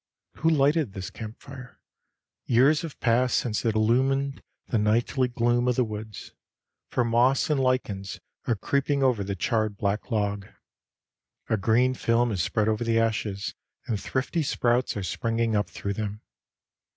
Who lighted this camp fire? Years have passed since it illumined the nightly gloom of the woods, for moss and lichens are creeping over the charred back log. A green film is spread over the ashes, and thrifty sprouts are springing up through them.